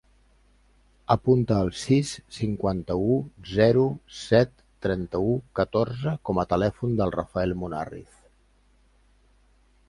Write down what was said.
Apunta el sis, cinquanta-u, zero, set, trenta-u, catorze com a telèfon del Rafael Munarriz.